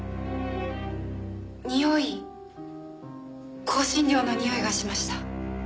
におい香辛料のにおいがしました。